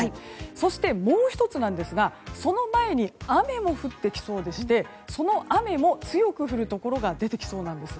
そして、もう１つなんですがその前に雨も降ってきそうでしてその雨も強く降るところが出てきそうなんです。